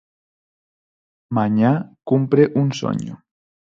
Mañá cumpre un soño.